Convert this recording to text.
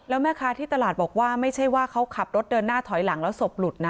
แล้วแม่ค้าที่ตลาดบอกว่าไม่ใช่ว่าเขาขับรถเดินหน้าถอยหลังแล้วศพหลุดนะ